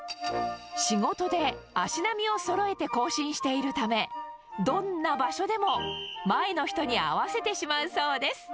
仕事で、足並みをそろえて行進しているため、どんな場所でも前の人に合わせてしまうそうです。